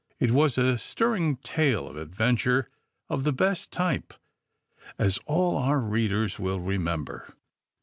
It was a stirring tale of adventure of the best type, as all our readers will remember.